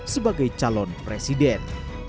sebagai calon presiden